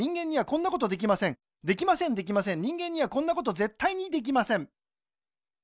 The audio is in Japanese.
できませんできません人間にはこんなことぜったいにできません